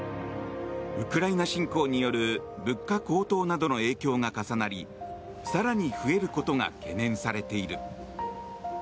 ウクライナ侵攻による物価高騰などの影響が重なり更に増えることが懸念されている。